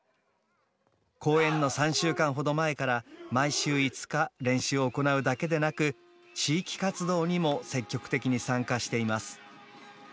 公演の３週間ほど前から毎週５日練習を行うだけでなく地域活動にも積極的に参加しています。